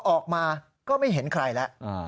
ออกมาก็ไม่เห็นใครแล้ว